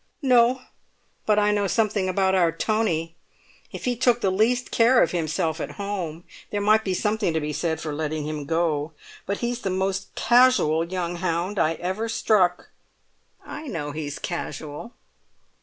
"No; but I know something about our Tony! If he took the least care of himself at home, there might be something to be said for letting him go; but he's the most casual young hound I ever struck." "I know he's casual."